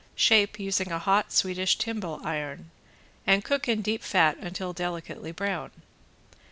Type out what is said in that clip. Shape, using a hot Swedish timbale iron, and cook in deep fat until delicately brown.